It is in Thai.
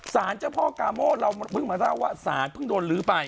สารเจ้าพ่อกาโม่เราเพิ่งมาเล่าว่าสารเพิ่งโดนลื้อไป